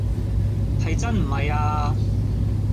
係真唔係呀